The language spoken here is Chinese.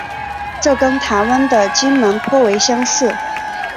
这跟台湾的金门颇为相似。